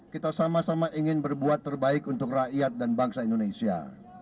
kita sama sama ingin berbuat terbaik untuk rakyat dan bangsa indonesia